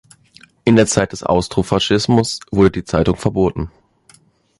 In der Zeit des Austrofaschismus wurde die Zeitung verboten.